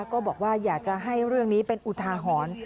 ก็บอกว่าอยากจะให้เรื่องนี้เป็นอุทาหรณ์